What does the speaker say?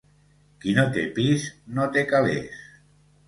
Qui no té pis, no té calers.